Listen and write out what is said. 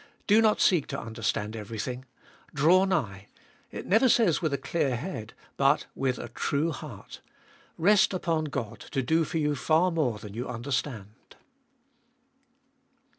Do not seek to understand everything. Draw nigh — it never says with a clear head, but with a true heart Rest upon God to do for you far more than you understand.